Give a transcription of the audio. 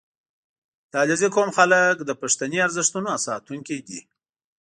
• د علیزي قوم خلک د پښتني ارزښتونو ساتونکي دي.